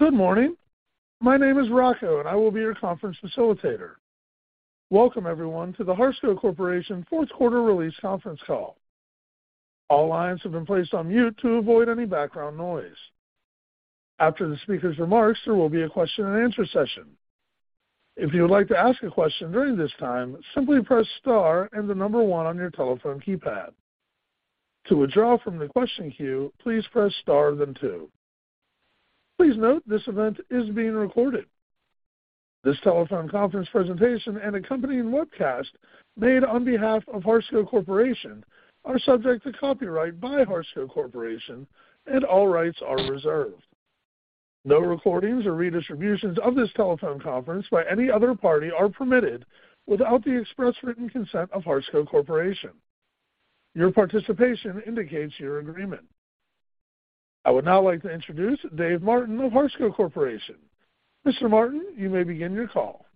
Good morning. My name is Rocco, and I will be your conference facilitator. Welcome everyone to the Harsco Corporation fourth quarter release conference call. All lines have been placed on mute to avoid any background noise. After the speaker's remarks, there will be a question-and-answer session. If you would like to ask a question during this time, simply press star and the number one on your telephone keypad. To withdraw from the question queue, please press star, then two. Please note this event is being recorded. This telephone conference presentation and accompanying webcast, made on behalf of Harsco Corporation, are subject to copyright by Harsco Corporation, and all rights are reserved. No recordings or redistributions of this telephone conference by any other party are permitted without the express written consent of Harsco Corporation. Your participation indicates your agreement. I would now like to introduce David Martin of Harsco Corporation. Mr. Martin, you may begin your call.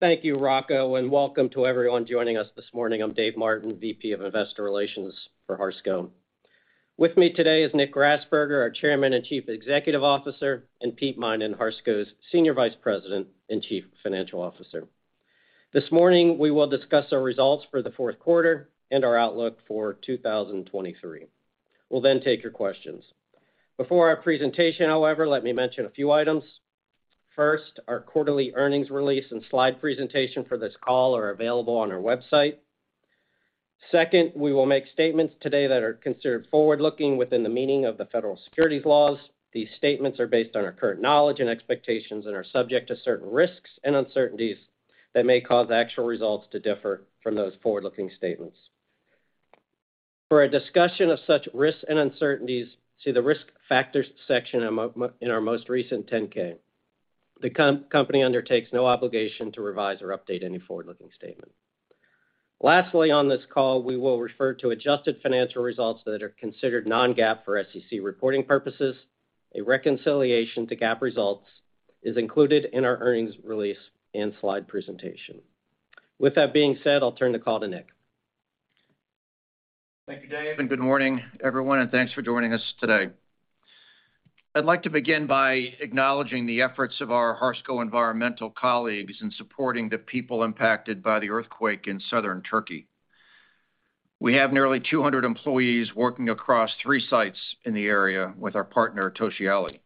Thank you, Rocco, and welcome to everyone joining us this morning. I'm Dave Martin, VP of Investor Relations for Harsco. With me today is Nick Grasberger, our Chairman and Chief Executive Officer, and Pete Minan, Harsco's Senior Vice President and Chief Financial Officer. This morning, we will discuss our results for the fourth quarter and our outlook for 2023. We'll then take your questions. Before our presentation, however, let me mention a few items. First, our quarterly earnings release and slide presentation for this call are available on our website. Second, we will make statements today that are considered forward-looking within the meaning of the federal securities laws. These statements are based on our current knowledge and expectations and are subject to certain risks and uncertainties that may cause actual results to differ from those forward-looking statements. For a discussion of such risks and uncertainties, see the Risk Factors section in our most recent 10-K. The company undertakes no obligation to revise or update any forward-looking statement. Lastly, on this call, we will refer to adjusted financial results that are considered non-GAAP for SEC reporting purposes. A reconciliation to GAAP results is included in our earnings release and slide presentation. With that being said, I'll turn the call to Nick. Thank you, Dave, and good morning, everyone, and thanks for joining us today. I'd like to begin by acknowledging the efforts of our Harsco Environmental colleagues in supporting the people impacted by the earthquake in southern Turkey. We have nearly 200 employees working across three sites in the area with our partner, Tosyali.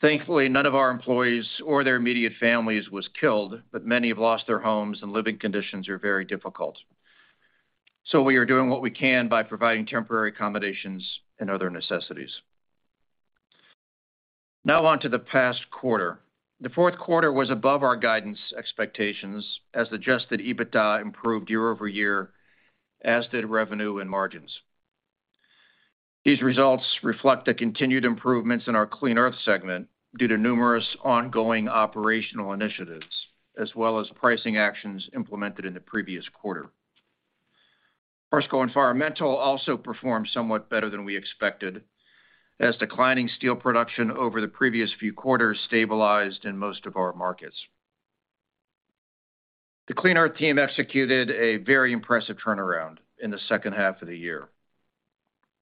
Thankfully, none of our employees or their immediate families was killed, but many have lost their homes, and living conditions are very difficult. We are doing what we can by providing temporary accommodations and other necessities. On to the past quarter. The fourth quarter was above our guidance expectations as Adjusted EBITDA improved year-over-year, as did revenue and margins. These results reflect the continued improvements in our Clean Earth segment due to numerous ongoing operational initiatives, as well as pricing actions implemented in the previous quarter. Harsco Environmental also performed somewhat better than we expected as declining steel production over the previous few quarters stabilized in most of our markets. The Clean Earth team executed a very impressive turnaround in the second half of the year.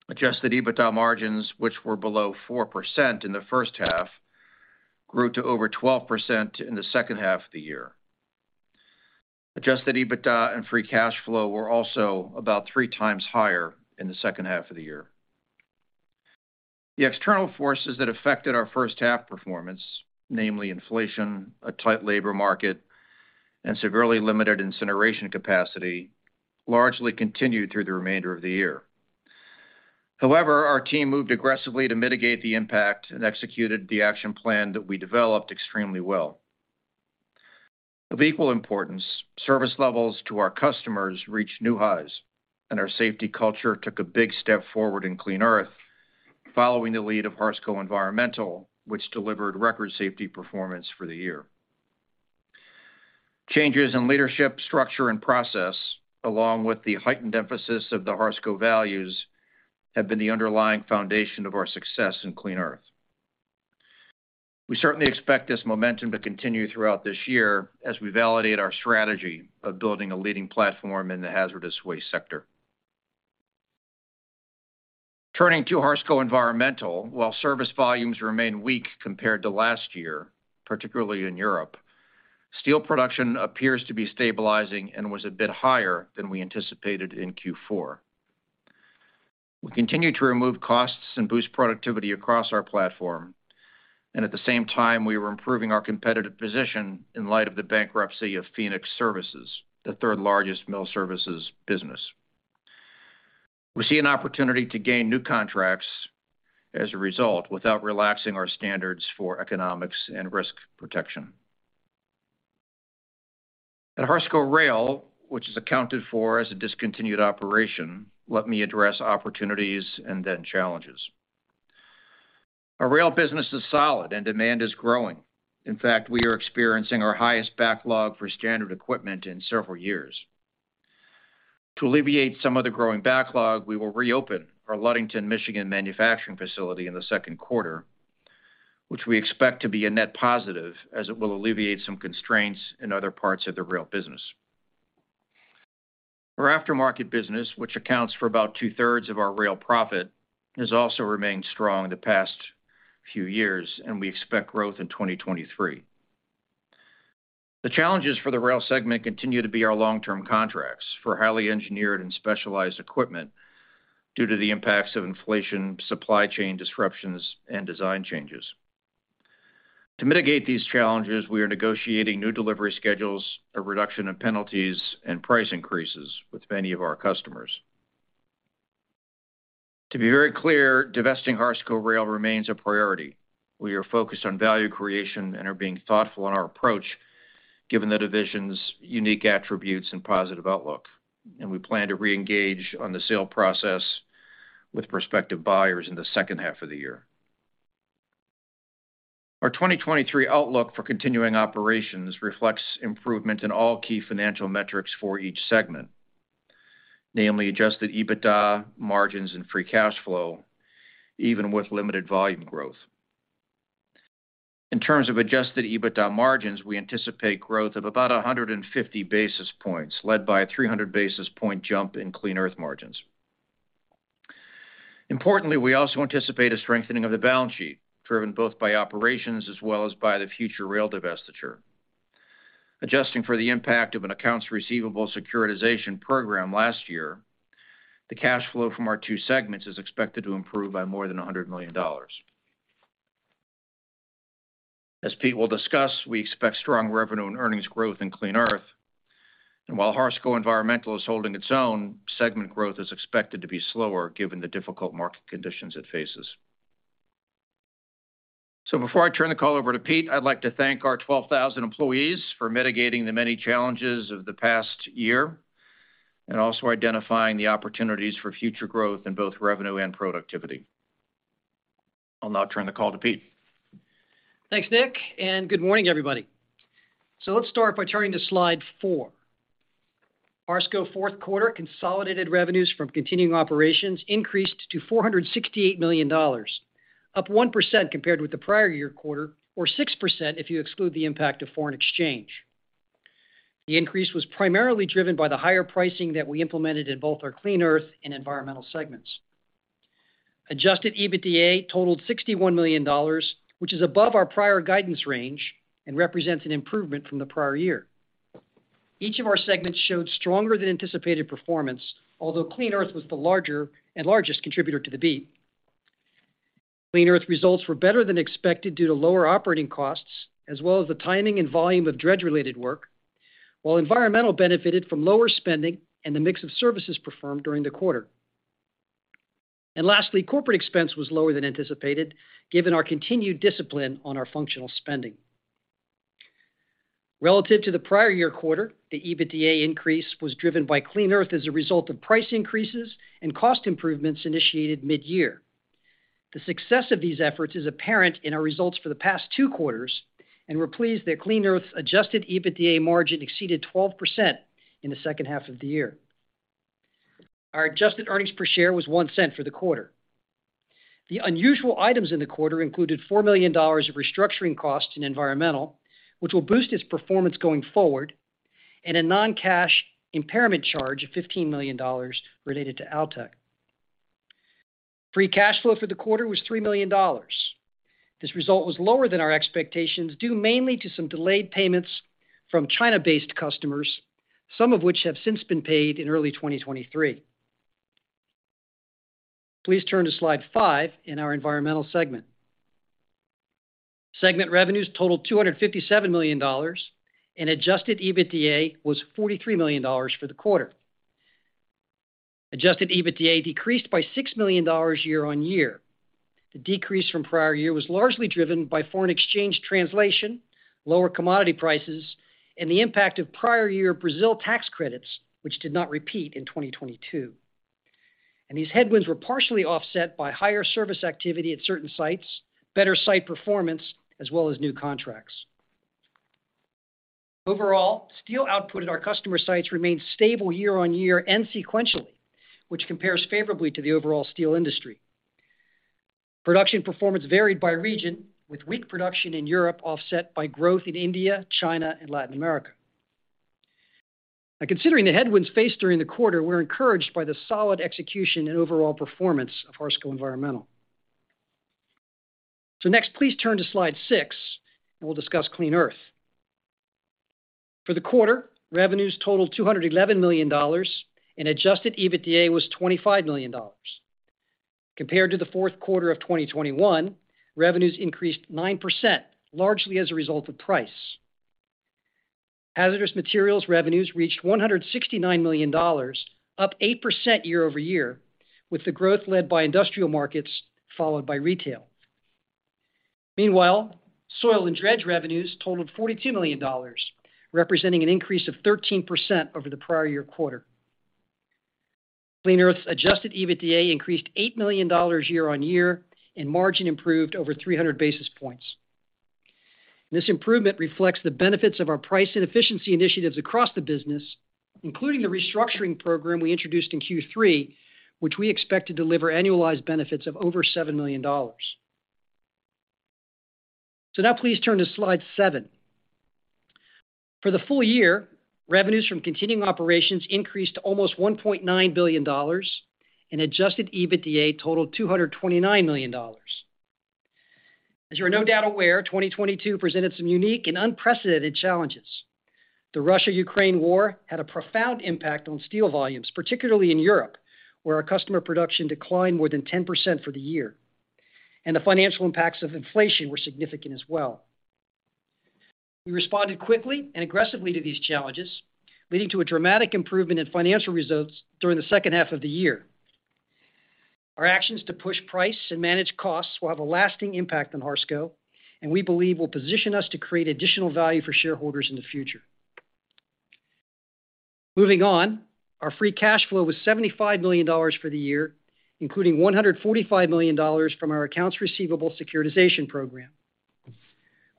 Adjusted EBITDA margins, which were below 4% in the first half, grew to over 12% in the second half of the year. Adjusted EBITDA and free cash flow were also about 3 times higher in the second half of the year. The external forces that affected our first half performance, namely inflation, a tight labor market, and severely limited incineration capacity, largely continued through the remainder of the year. However, our team moved aggressively to mitigate the impact and executed the action plan that we developed extremely well. Of equal importance, service levels to our customers reached new highs, and our safety culture took a big step forward in Clean Earth, following the lead of Harsco Environmental, which delivered record safety performance for the year. Changes in leadership, structure, and process, along with the heightened emphasis of the Harsco values, have been the underlying foundation of our success in Clean Earth. We certainly expect this momentum to continue throughout this year as we validate our strategy of building a leading platform in the hazardous waste sector. Turning to Harsco Environmental, while service volumes remain weak compared to last year, particularly in Europe, steel production appears to be stabilizing and was a bit higher than we anticipated in Q4. We continue to remove costs and boost productivity across our platform, and at the same time, we were improving our competitive position in light of the bankruptcy of Phoenix Services, the third largest mill services business. We see an opportunity to gain new contracts as a result without relaxing our standards for economics and risk protection. At Harsco Rail, which is accounted for as a discontinued operation, let me address opportunities and then challenges. Our rail business is solid, and demand is growing. In fact, we are experiencing our highest backlog for standard equipment in several years. To alleviate some of the growing backlog, we will reopen our Ludington, Michigan manufacturing facility in the second quarter, which we expect to be a net positive as it will alleviate some constraints in other parts of the rail business. Our aftermarket business, which accounts for about 2/3 of our rail profit, has also remained strong in the past few years, and we expect growth in 2023. The challenges for the rail segment continue to be our long-term contracts for highly engineered and specialized equipment due to the impacts of inflation, supply chain disruptions, and design changes. To mitigate these challenges, we are negotiating new delivery schedules, a reduction in penalties, and price increases with many of our customers. To be very clear, divesting Harsco Rail remains a priority. We are focused on value creation and are being thoughtful in our approach given the division's unique attributes and positive outlook. We plan to re-engage on the sale process with prospective buyers in the second half of the year. Our 2023 outlook for continuing operations reflects improvement in all key financial metrics for each segment, namely Adjusted EBITDA margins and free cash flow, even with limited volume growth. In terms of Adjusted EBITDA margins, we anticipate growth of about 150 basis points, led by a 300 basis point jump in Clean Earth margins. Importantly, we also anticipate a strengthening of the balance sheet, driven both by operations as well as by the future Rail divestiture. Adjusting for the impact of an accounts receivable securitization program last year, the cash flow from our two segments is expected to improve by more than $100 million. As Pete will discuss, we expect strong revenue and earnings growth in Clean Earth. While Harsco Environmental is holding its own, segment growth is expected to be slower given the difficult market conditions it faces. Before I turn the call over to Pete, I'd like to thank our 12,000 employees for mitigating the many challenges of the past year and also identifying the opportunities for future growth in both revenue and productivity. I'll now turn the call to Pete. Thanks, Nick, and good morning, everybody. Let's start by turning to slide four. Harsco fourth quarter consolidated revenues from continuing operations increased to $468 million, up 1% compared with the prior year quarter, or 6% if you exclude the impact of foreign exchange. The increase was primarily driven by the higher pricing that we implemented in both our Clean Earth and Environmental segments. Adjusted EBITDA totaled $61 million, which is above our prior guidance range and represents an improvement from the prior year. Each of our segments showed stronger than anticipated performance, although Clean Earth was the largest contributor to the beat. Clean Earth results were better than expected due to lower operating costs as well as the timing and volume of dredge-related work. While Environmental benefited from lower spending and the mix of services performed during the quarter. Lastly, corporate expense was lower than anticipated, given our continued discipline on our functional spending. Relative to the prior year quarter, the EBITDA increase was driven by Clean Earth as a result of price increases and cost improvements initiated mid-year. The success of these efforts is apparent in our results for the past two quarters, we're pleased that Clean Earth's Adjusted EBITDA margin exceeded 12% in the second half of the year. Our adjusted earnings per share was $0.01 for the quarter. The unusual items in the quarter included $4 million of restructuring costs in Environmental, which will boost its performance going forward, a non-cash impairment charge of $15 million related to Altek. Free cash flow for the quarter was $3 million. This result was lower than our expectations, due mainly to some delayed payments from China-based customers, some of which have since been paid in early 2023. Please turn to slide five in our Environmental segment. Segment revenues totaled $257 million. Adjusted EBITDA was $43 million for the quarter. Adjusted EBITDA decreased by $6 million year-on-year. The decrease from prior year was largely driven by foreign exchange translation, lower commodity prices, and the impact of prior year Brazil tax credits, which did not repeat in 2022. These headwinds were partially offset by higher service activity at certain sites, better site performance, as well as new contracts. Overall, steel output at our customer sites remained stable year-on-year and sequentially, which compares favorably to the overall steel industry. Production performance varied by region, with weak production in Europe offset by growth in India, China, and Latin America. Considering the headwinds faced during the quarter, we're encouraged by the solid execution and overall performance of Harsco Environmental. Next, please turn to slide six, and we'll discuss Clean Earth. For the quarter, revenues totaled $211 million, and Adjusted EBITDA was $25 million. Compared to the fourth quarter of 2021, revenues increased 9%, largely as a result of price. Hazardous materials revenues reached $169 million, up 8% year-over-year, with the growth led by industrial markets followed by retail. Meanwhile, soil and dredge revenues totaled $42 million, representing an increase of 13% over the prior year quarter. Clean Earth's Adjusted EBITDA increased $8 million year-on-year and margin improved over 300 basis points. This improvement reflects the benefits of our price and efficiency initiatives across the business, including the restructuring program we introduced in Q3, which we expect to deliver annualized benefits of over $7 million. Now please turn to slide seven. For the full year, revenues from continuing operations increased to almost $1.9 billion and Adjusted EBITDA totaled $229 million. As you're no doubt aware, 2022 presented some unique and unprecedented challenges. The Russia-Ukraine war had a profound impact on steel volumes, particularly in Europe, where our customer production declined more than 10% for the year, and the financial impacts of inflation were significant as well. We responded quickly and aggressively to these challenges, leading to a dramatic improvement in financial results during the second half of the year. Our actions to push price and manage costs will have a lasting impact on Harsco, and we believe will position us to create additional value for shareholders in the future. Moving on, our free cash flow was $75 million for the year, including $145 million from our accounts receivable securitization program.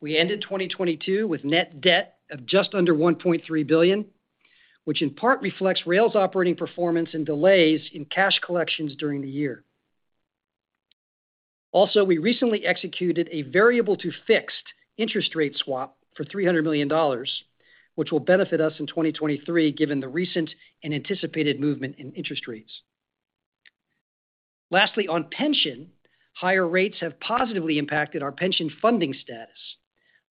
We ended 2022 with net debt of just under $1.3 billion, which in part reflects Rail's operating performance and delays in cash collections during the year. We recently executed a variable-to-fixed interest rate swap for $300 million, which will benefit us in 2023 given the recent and anticipated movement in interest rates. On pension, higher rates have positively impacted our pension funding status.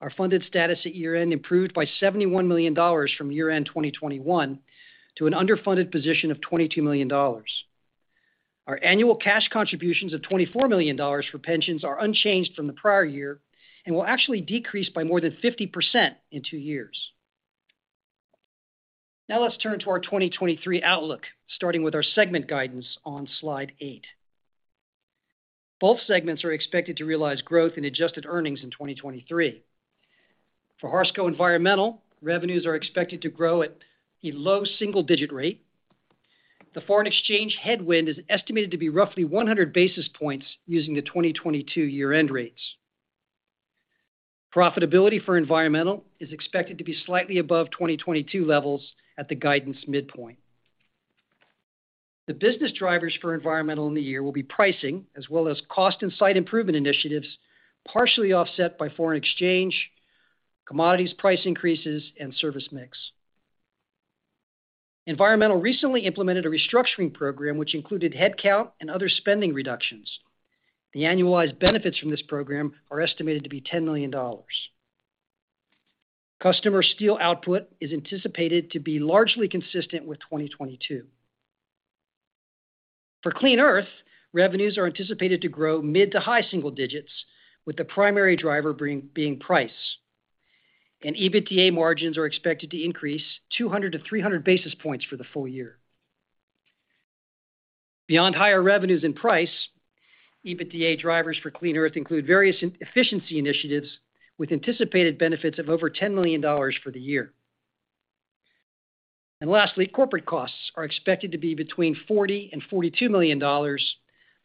Our funded status at year-end improved by $71 million from year-end 2021 to an underfunded position of $22 million. Our annual cash contributions of $24 million for pensions are unchanged from the prior year and will actually decrease by more than 50% in two years. Let's turn to our 2023 outlook, starting with our segment guidance on Slide eight. Both segments are expected to realize growth in adjusted earnings in 2023. For Harsco Environmental, revenues are expected to grow at a low single-digit rate. The foreign exchange headwind is estimated to be roughly 100 basis points using the 2022 year-end rates. Profitability for Environmental is expected to be slightly above 2022 levels at the guidance midpoint. The business drivers for Environmental in the year will be pricing as well as cost and site improvement initiatives, partially offset by foreign exchange, commodities price increases, and service mix. Environmental recently implemented a restructuring program which included headcount and other spending reductions. The annualized benefits from this program are estimated to be $10 million. Customer steel output is anticipated to be largely consistent with 2022. For Clean Earth, revenues are anticipated to grow mid to high single digits, with the primary driver being price. EBITDA margins are expected to increase 200-300 basis points for the full year. Beyond higher revenues and price, EBITDA drivers for Clean Earth include various efficiency initiatives with anticipated benefits of over $10 million for the year. Lastly, corporate costs are expected to be between $40 million and $42 million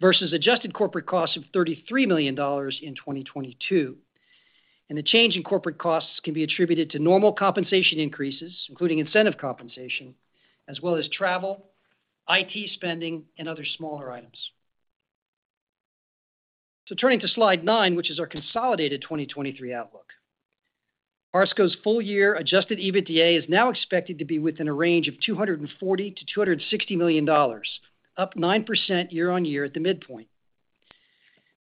versus Adjusted corporate costs of $33 million in 2022. The change in corporate costs can be attributed to normal compensation increases, including incentive compensation, as well as travel, IT spending, and other smaller items. Turning to slide nine, which is our consolidated 2023 outlook. Harsco's full-year Adjusted EBITDA is now expected to be within a range of $240 million-$260 million, up 9% year-on-year at the midpoint.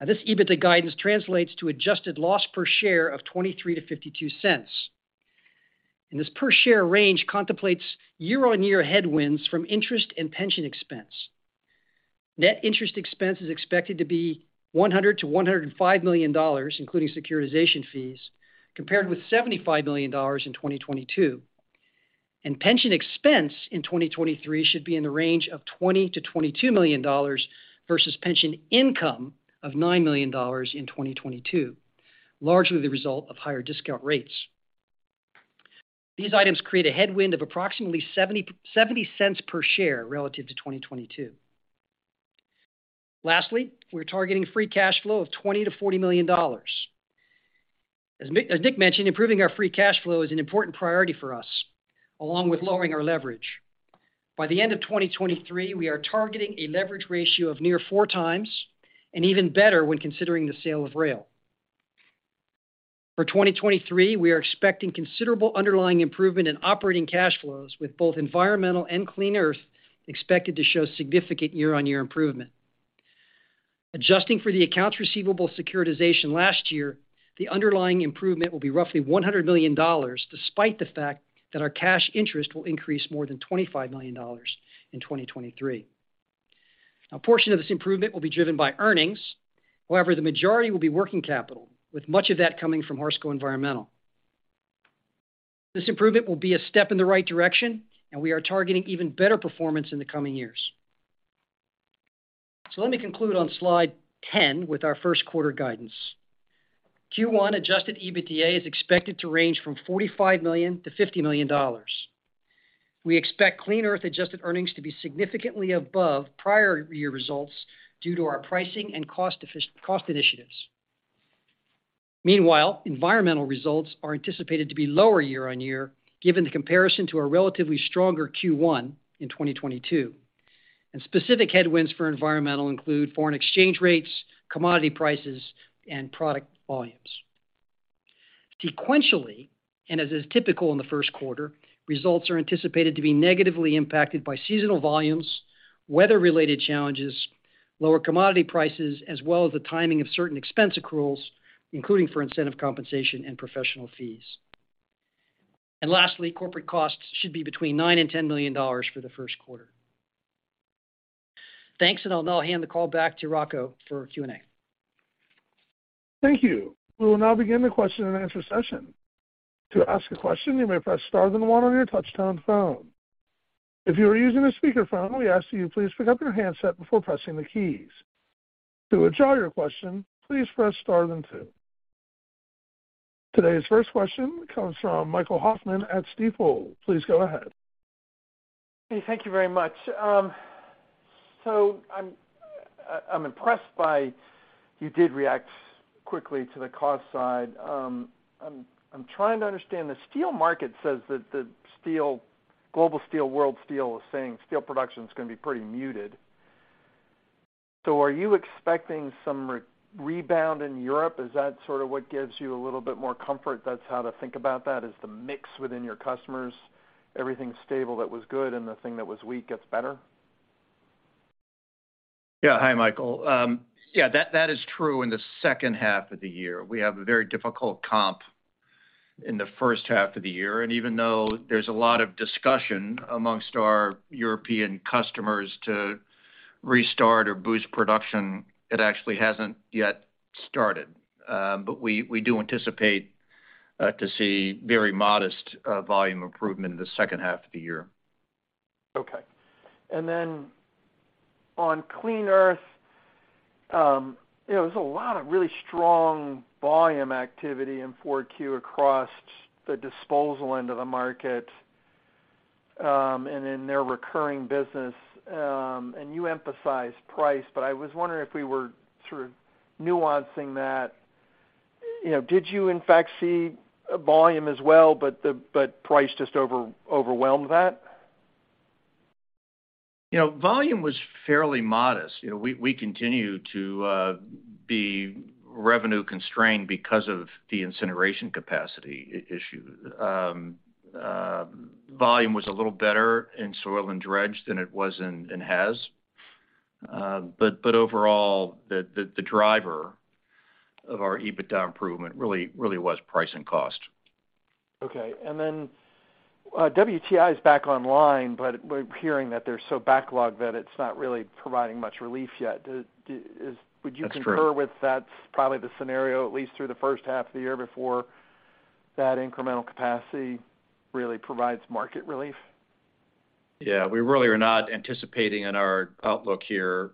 This EBITDA guidance translates to Adjusted loss per share of $0.23-$0.52. This per-share range contemplates year-on-year headwinds from interest and pension expense. Net interest expense is expected to be $100 million-$105 million, including securitization fees, compared with $75 million in 2022. Pension expense in 2023 should be in the range of $20 million-$22 million versus pension income of $9 million in 2022, largely the result of higher discount rates. These items create a headwind of approximately $0.70 per share relative to 2022. Lastly, we're targeting free cash flow of $20 million-$40 million. As Nick mentioned, improving our free cash flow is an important priority for us, along with lowering our leverage. By the end of 2023, we are targeting a leverage ratio of near 4 times and even better when considering the sale of Rail. For 2023, we are expecting considerable underlying improvement in operating cash flows, with both Environmental and Clean Earth expected to show significant year-on-year improvement. Adjusting for the accounts receivable securitization last year, the underlying improvement will be roughly $100 million, despite the fact that our cash interest will increase more than $25 million in 2023. A portion of this improvement will be driven by earnings. However, the majority will be working capital, with much of that coming from Harsco Environmental. This improvement will be a step in the right direction, and we are targeting even better performance in the coming years. Let me conclude on slide 10 with our first quarter guidance. Q1 Adjusted EBITDA is expected to range from $45 million-$50 million. We expect Clean Earth adjusted earnings to be significantly above prior year results due to our pricing and cost initiatives. Meanwhile, Environmental results are anticipated to be lower year-on-year, given the comparison to a relatively stronger Q1 in 2022. Specific headwinds for environmental include foreign exchange rates, commodity prices, and product volumes. Sequentially, and as is typical in the first quarter, results are anticipated to be negatively impacted by seasonal volumes, weather-related challenges, lower commodity prices, as well as the timing of certain expense accruals, including for incentive compensation and professional fees. Lastly, corporate costs should be between $9 million and $10 million for the first quarter. Thanks, and I'll now hand the call back to Rocco for Q&A. Thank you. We will now begin the question and answer session. To ask a question, you may press star then one on your touchtone phone. If you are using a speakerphone, we ask that you please pick up your handset before pressing the keys. To withdraw your question, please press star then two. Today's first question comes from Michael Hoffman at Stifel. Please go ahead. Thank you very much. I'm impressed by you did react quickly to the cost side. I'm trying to understand. The steel market says that the global steel, World Steel is saying steel production is gonna be pretty muted. Are you expecting some rebound in Europe? Is that sort of what gives you a little bit more comfort that's how to think about that, is the mix within your customers, everything stable that was good and the thing that was weak gets better? Yeah. Hi, Michael. Yeah, that is true in the second half of the year. We have a very difficult comp in the first half of the year. Even though there's a lot of discussion amongst our European customers to restart or boost production, it actually hasn't yet started. We do anticipate to see very modest volume improvement in the second half of the year. Okay. On Clean Earth, you know, there's a lot of really strong volume activity in 4Q across the disposal end of the market, and in their recurring business. You emphasized price, but I was wondering if we were sort of nuancing that. You know, did you in fact see volume as well, but the, but price just overwhelm that? You know, volume was fairly modest. You know, we continue to be revenue constrained because of the incineration capacity issue. Volume was a little better in soil and dredged than it was in Haz. Overall, the driver of our EBITDA improvement really was price and cost. Okay. WTI is back online, but we're hearing that they're so backlogged that it's not really providing much relief yet. Would you concur with that's probably the scenario at least through the first half of the year before that incremental capacity really provides market relief? Yeah. We really are not anticipating in our outlook here,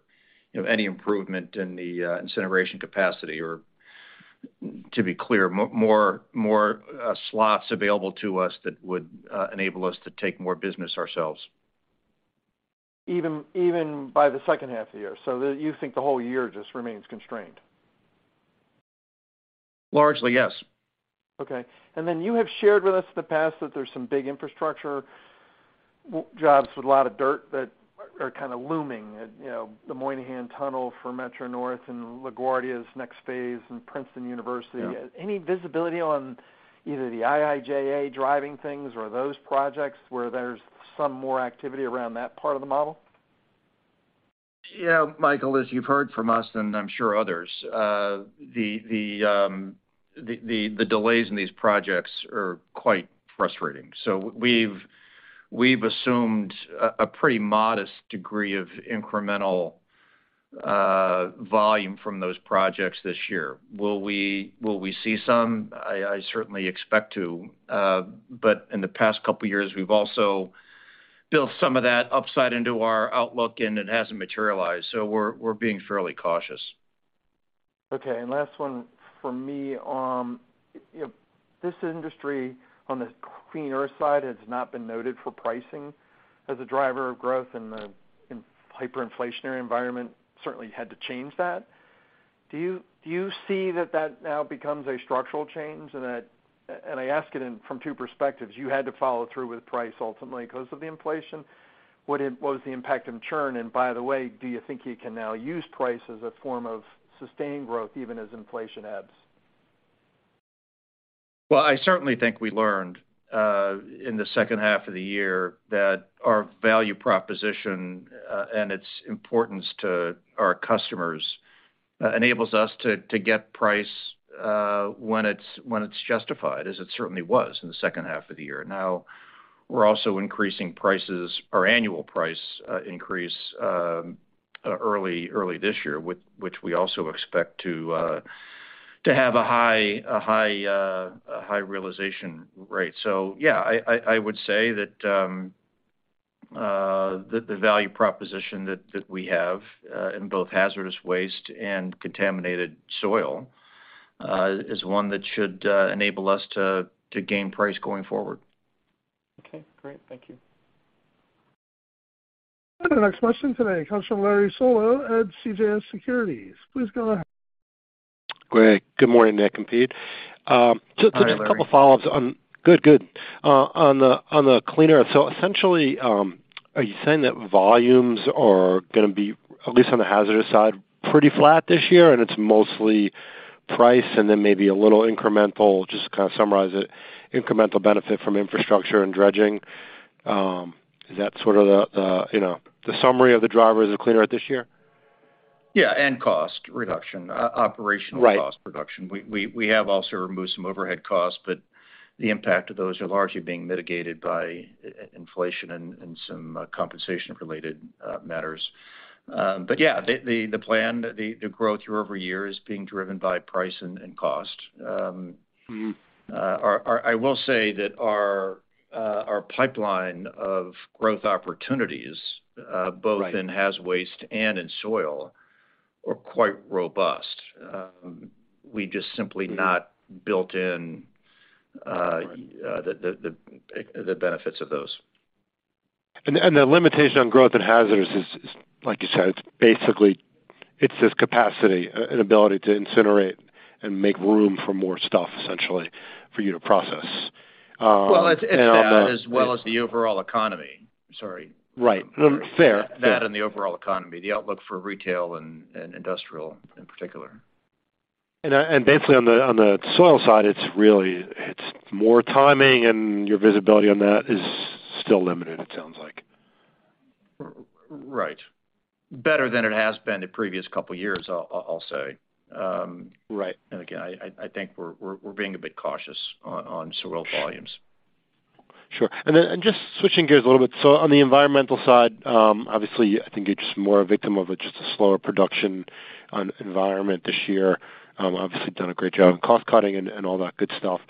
you know, any improvement in the incineration capacity or, to be clear, more slots available to us that would enable us to take more business ourselves. Even by the second half of the year. You think the whole year just remains constrained? Largely, yes. Okay. You have shared with us in the past that there's some big infrastructure jobs with a lot of dirt that are kind of looming. You know, the Moynihan Tunnel for Metro-North and LaGuardia's next phase and Princeton University. Any visibility on either the IIJA driving things or those projects where there's some more activity around that part of the model? Yeah, Michael, as you've heard from us and I'm sure others, the delays in these projects are quite frustrating. We've assumed a pretty modest degree of incremental volume from those projects this year. Will we see some? I certainly expect to, but in the past couple years, we've also built some of that upside into our outlook and it hasn't materialized, so we're being fairly cautious. Okay. Last one from me. You know, this industry on the Clean Earth side has not been noted for pricing as a driver of growth, and the in-hyperinflationary environment certainly had to change that. Do you see that now becomes a structural change and that, I ask it from two perspectives. You had to follow through with price ultimately cause of the inflation. What was the impact in churn? By the way, do you think you can now use price as a form of sustained growth even as inflation ebbs? Well, I certainly think we learned in the second half of the year that our value proposition and its importance to our customers enables us to get price when it's justified, as it certainly was in the second half of the year. We're also increasing prices or annual price increase early this year, which we also expect to have a high realization rate. Yeah, I would say that the value proposition that we have in both hazardous waste and contaminated soil is one that should enable us to gain price going forward. Okay, great. Thank you. The next question today comes from Larry Solow at CJS Securities. Please go ahead. Great. Good morning, Nick and Pete. Just a couple follow-ups. Hi, Larry. Good, good. On the Clean Earth. Essentially, are you saying that volumes are gonna be, at least on the hazardous side, pretty flat this year and it's mostly price and then maybe a little incremental, just to kind of summarize it, incremental benefit from infrastructure and dredging? Is that sort of the, you know, the summary of the drivers of Clean Earth this year? Yeah, cost reduction, operational cost reduction. Right. We have also removed some overhead costs, but the impact of those are largely being mitigated by inflation and some compensation related matters. Yeah, the plan, the growth year-over-year is being driven by price and cost. I will say that our pipeline of growth opportunities. both in haz waste and in soil are quite robust. We've just simply not built in. the benefits of those. The limitation on growth in hazardous is like you said, it's basically just capacity and ability to incinerate and make room for more stuff, essentially, for you to process. Well, it's that as well as the overall economy. Sorry. Right. No, fair. That and the overall economy, the outlook for retail and industrial in particular. Basically on the, on the soil side, it's really it's more timing and your visibility on that is still limited, it sounds like. Right. Better than it has been the previous couple years, I'll say. Right. Again, I think we're being a bit cautious on soil volumes. Sure. Just switching gears a little bit. On the environmental side, obviously, I think you're just more a victim of just a slower production environment this year. Obviously done a great job on cost cutting and all that good stuff.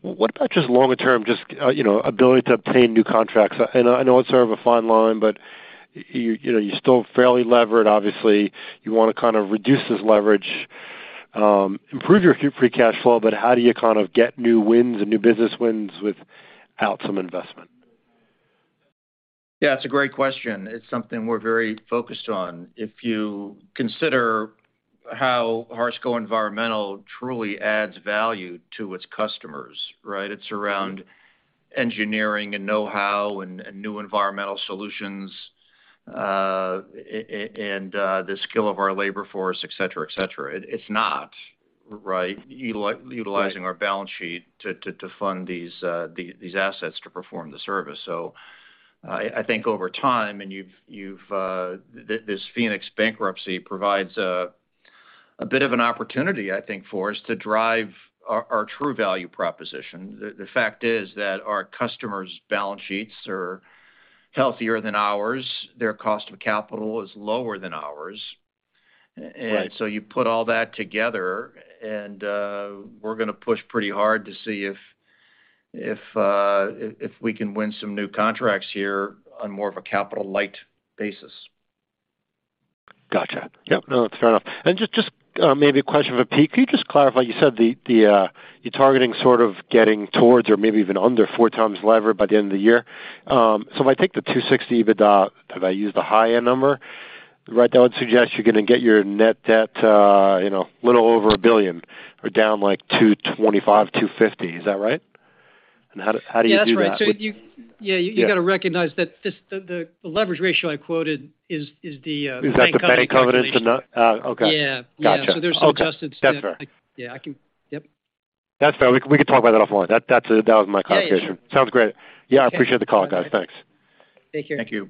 What about just longer term, just, you know, ability to obtain new contracts? I know it's sort of a fine line, but you know, you're still fairly levered, obviously. You wanna kind of reduce this leverage, improve your free cash flow, but how do you kind of get new wins and new business wins without some investment? Yeah, it's a great question. It's something we're very focused on. If you consider how Harsco Environmental truly adds value to its customers, right? It's around engineering and know-how and new environmental solutions, and the skill of our labor force, et cetera, et cetera. It's not, right, utilizing our balance sheet to fund these assets to perform the service. I think over time, and you've this Phoenix Bankruptcy provides a bit of an opportunity, I think, for us to drive our true value proposition. The fact is that our customers' balance sheets are healthier than ours. Their cost of capital is lower than ours. Right. You put all that together and, we're gonna push pretty hard to see if we can win some new contracts here on more of a capital light basis. Gotcha. Yep. No, fair enough. Just, maybe a question for Pete. Could you just clarify, you said the, you're targeting sort of getting towards or maybe even under four times lever by the end of the year. If I take the $260 EBITDA, have I used the high-end number? Right now, I'd suggest you're gonna get your net debt, you know, little over $1 billion or down like $225 million-$250 million. Is that right? How do you do that with- Yeah, that's right. Yeah. Yeah. You gotta recognize that the leverage ratio I quoted is the bank covenant calculation. Is that the bank covenant and the, Okay. Yeah. Yeah. Gotcha. Okay. There's some adjustments. That's fair. Yeah. Yep. That's fair. We can talk about that offline. That's. That was my clarification. Yeah, yeah, sure. Sounds great. Yeah. Okay. I appreciate the call, guys. Thanks. Take care. Thank you.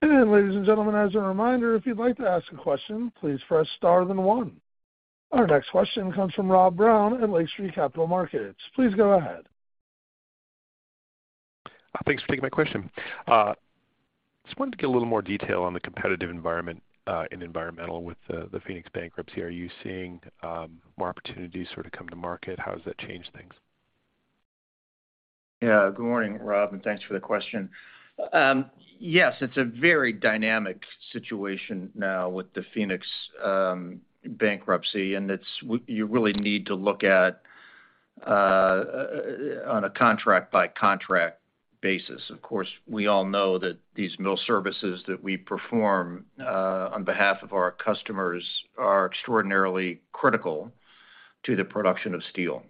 Ladies and gentlemen, as a reminder, if you'd like to ask a question, please press Star then 1. Our next question comes from Rob Brown at Lake Street Capital Markets. Please go ahead. Thanks for taking my question. Just wanted to get a little more detail on the competitive environment, in environmental with the Phoenix Bankruptcy. Are you seeing more opportunities sort of come to market? How has that changed things? Good morning, Rob, and thanks for the question. Yes, it's a very dynamic situation now with the Phoenix bankruptcy, and you really need to look at on a contract by contract basis. Of course, we all know that these mill services that we perform on behalf of our customers are extraordinarily critical to the production of steel.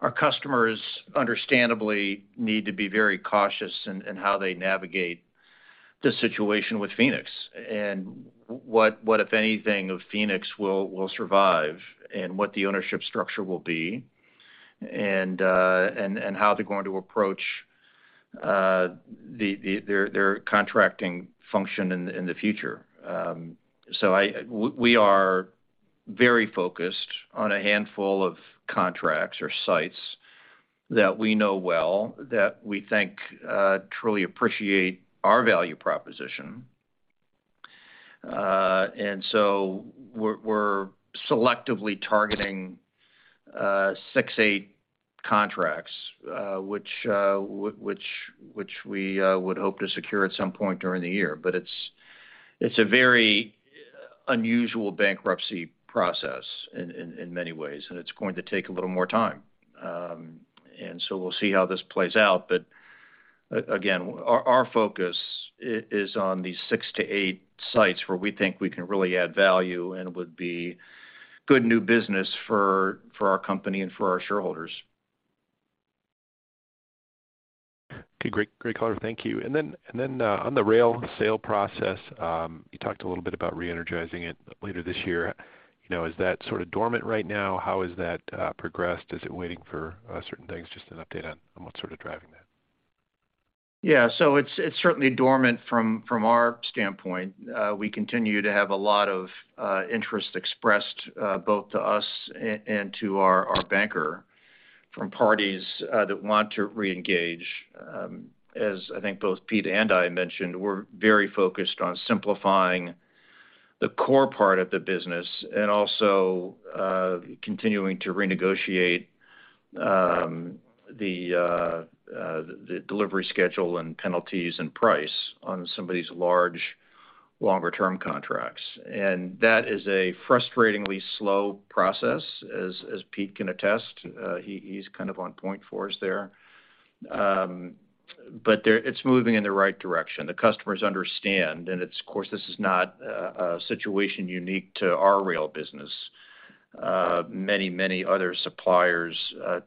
Our customers understandably need to be very cautious in how they navigate this situation with Phoenix and what, if anything, of Phoenix will survive and what the ownership structure will be and how they're going to approach their contracting function in the future. We are very focused on a handful of contracts or sites that we know well, that we think truly appreciate our value proposition. We're selectively targeting six, eight contracts which we would hope to secure at some point during the year. It's a very unusual bankruptcy process in many ways, and it's going to take a little more time. We'll see how this plays out. Again, our focus is on these six to eight sites where we think we can really add value and would be good new business for our company and for our shareholders. Okay, great. Great color. Thank you. On the rail sale process, you talked a little bit about re-energizing it later this year. You know, is that sort of dormant right now? How has that progressed? Is it waiting for certain things? Just an update on what's sort of driving that. It's, it's certainly dormant from our standpoint. We continue to have a lot of interest expressed, both to us and to our banker from parties that want to reengage. As I think both Pete and I mentioned, we're very focused on simplifying the core part of the business and also continuing to renegotiate the delivery schedule and penalties and price on some of these large longer-term contracts. That is a frustratingly slow process, as Pete can attest. He's kind of on point for us there. It's moving in the right direction. The customers understand, of course, this is not a situation unique to our rail business. Many other suppliers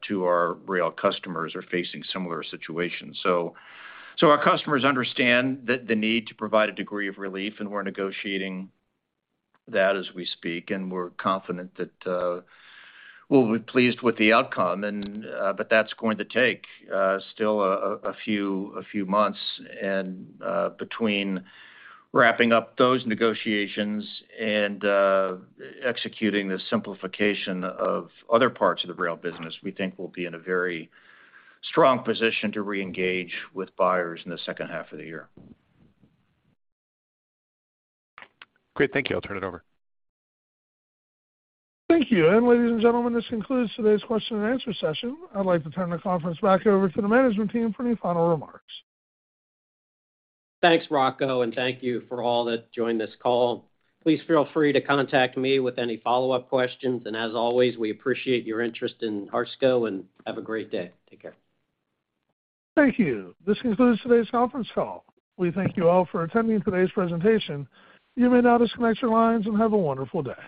to our rail customers are facing similar situations. Our customers understand the need to provide a degree of relief, and we're negotiating that as we speak, and we're confident that we'll be pleased with the outcome and, but that's going to take still a few months. Between wrapping up those negotiations and executing the simplification of other parts of the rail business, we think we'll be in a very strong position to reengage with buyers in the second half of the year. Great. Thank you. I'll turn it over. Thank you. Ladies and gentlemen, this concludes today's question and answer session. I'd like to turn the conference back over to the management team for any final remarks. Thanks, Rocco, and thank you for all that joined this call. Please feel free to contact me with any follow-up questions. As always, we appreciate your interest in Harsco, and have a great day. Take care. Thank you. This concludes today's conference call. We thank you all for attending today's presentation. You may now disconnect your lines and have a wonderful day.